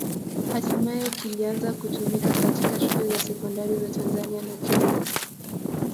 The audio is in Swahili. Hatimaye kilianza kutumika katika shule za sekondari za Tanzania na Kenya.